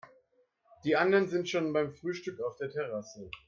Die anderen sind schon beim Frühstück auf der Terrasse.